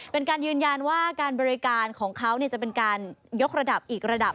เป็นการยืนยันว่าการบริการของเขาจะเป็นการยกระดับอีกระดับ